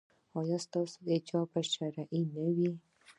ایا ستاسو حجاب به شرعي نه وي؟